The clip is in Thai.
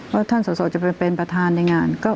ว่าท่านสอสอจะไปเป็นประธานในงาน